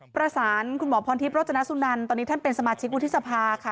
ประสานคุณหมอพรทิพย์โรจนสุนันตอนนี้ท่านเป็นสมาชิกวุฒิสภาค่ะ